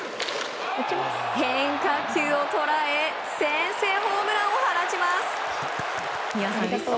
変化球を捉え先制ホームランを放ちます。